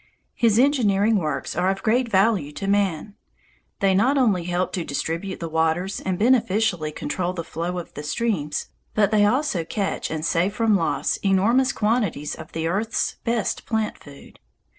His engineering works are of great value to man. They not only help to distribute the waters and beneficially control the flow of the streams, but they also catch and save from loss enormous quantities of the earth's best plant food.